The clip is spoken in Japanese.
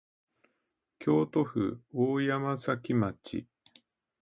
京都府大山崎町